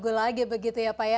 jangan ragu ragu lagi begitu ya pak